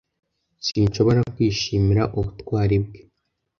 Sinshobora kwishimira ubutwari bwe.